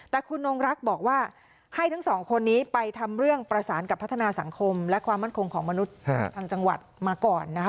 แต่คุณนงรักบอกว่าให้ทั้งสองคนนี้ไปทำเรื่องประสานกับพัฒนาสังคมและความมั่นคงของมนุษย์ทางจังหวัดมาก่อนนะคะ